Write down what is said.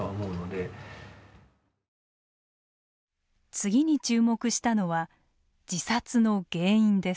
次に注目したのは自殺の原因です。